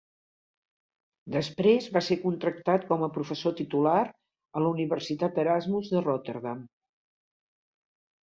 Després va ser contractat com a professor titular a la Universitat Erasmus de Rotterdam.